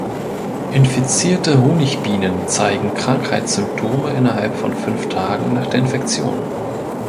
Infizierte Honigbienen zeigen Krankheitssymptome innerhalb von fünf Tagen nach der Infektion.